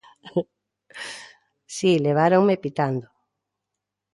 Si, leváronme pitando.